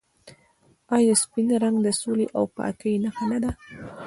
آیا سپین رنګ د سولې او پاکۍ نښه نه ده؟